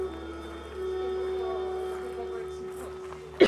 Podívejte se na hromadný exodus iráckých křesťanů.